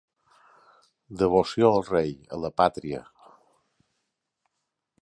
Devoció al rei, a la pàtria.